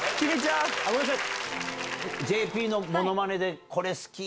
ごめんなさい。